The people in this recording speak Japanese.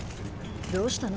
どうしたの？